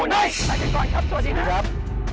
รับทราบก่อนครับสวัสดีครับสวัสดีครับสวัสดีครับ